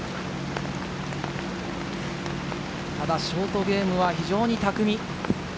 ただショートゲームは非常に巧み。